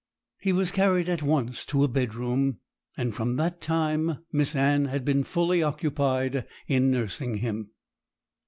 He was carried at once to a bedroom, and from that time Miss Anne had been fully occupied in nursing him.